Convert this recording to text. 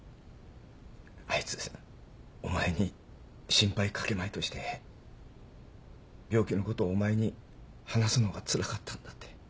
あいつお前に心配かけまいとして病気のことお前に話すのがつらかったんだって。